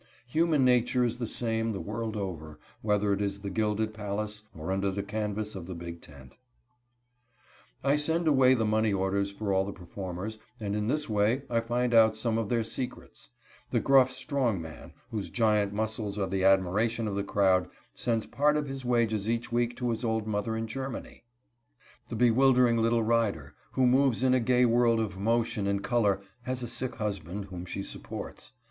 Human nature is the same the world over, whether it is in the gilded palace or under the canvas of the big tent. [Illustration: "I BECOME THE FRIEND AND CONFIDANT OF ALL."] I send away the money orders for all the performers, and in this way I find out some of their secrets. The gruff strong man, whose giant muscles are the admiration of the crowd, sends part of his wages each week to his old mother in Germany; the bewildering little rider, who moves in a gay world of motion and color, has a sick husband, whom she supports.